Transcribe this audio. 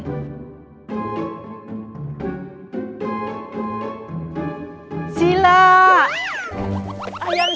tuh beda dari eben